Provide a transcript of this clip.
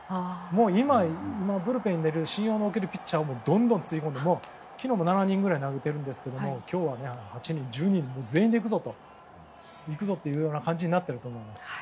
今ブルペンにいる信用のおけるピッチャーをどんどんつぎ込んで昨日も７人ぐらい投げてるんですけど今日は８人、１０人全員で行くぞという感じになっていると思います。